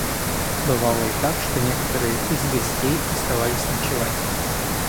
Бывало и так, что некоторые из гостей оставались ночевать.